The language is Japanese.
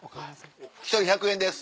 １人１００円です。